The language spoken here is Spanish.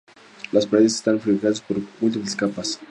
Las paredes están fabricadas con múltiples capas.